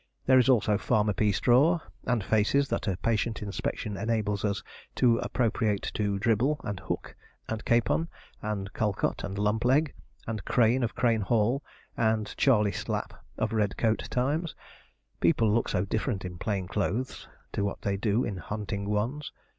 There is also Farmer Peastraw, and faces that a patient inspection enables us to appropriate to Dribble, and Hook, and Capon, and Calcot, and Lumpleg, and Crane of Crane Hall, and Charley Slapp of red coat times people look so different in plain clothes to what they do in hunting ones.